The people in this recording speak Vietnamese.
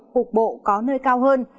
cục bộ có nơi cao hơn